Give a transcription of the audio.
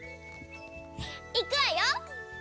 いくわよ！